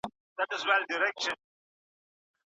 که بسونه د شپې لخوا روښنايي ولري، نو غلاوې نه کیږي.